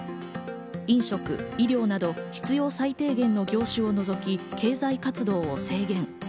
飲食、医療など必要最低限の業種を除き、経済活動を制限。